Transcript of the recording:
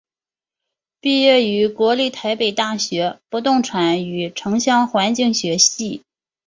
毕业于国立台北大学不动产与城乡环境学系。